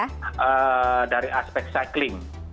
ketiga dari aspek cycling